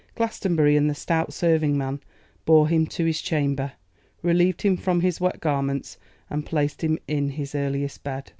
Glastonbury and the stout serving man bore him to his chamber, relieved him from his wet garments, and placed him in his earliest bed.